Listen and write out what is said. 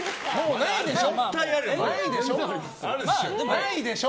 ないでしょ？